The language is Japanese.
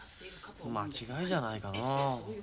間違いじゃないかな。